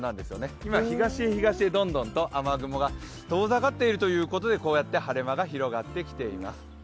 今、東へ、東へとどんどんと雨雲が遠ざかっているということでこうやって晴れ間が広がってきています。